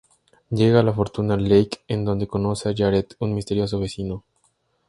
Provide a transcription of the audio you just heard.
Llega a Fortuna Lake, en donde conoce a Jared, un misterioso vecino.